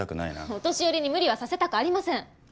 お年寄りに無理はさせたくありません。